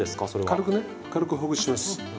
軽くほぐします。